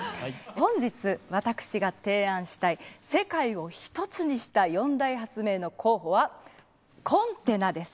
本日私が提案したい世界を１つにした四大発明の候補は「コンテナ」です。